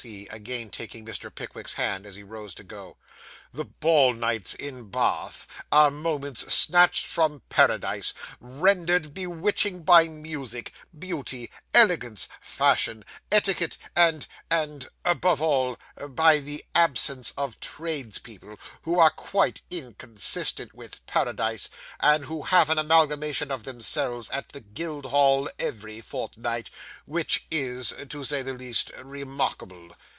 C., again taking Mr. Pickwick's hand, as he rose to go. 'The ball nights in Ba ath are moments snatched from paradise; rendered bewitching by music, beauty, elegance, fashion, etiquette, and and above all, by the absence of tradespeople, who are quite inconsistent with paradise, and who have an amalgamation of themselves at the Guildhall every fortnight, which is, to say the least, remarkable.